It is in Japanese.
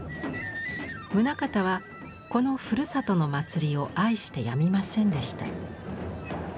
棟方はこのふるさとの祭りを愛してやみませんでした。